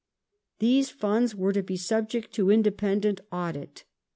These funds were to be subject to independent audit.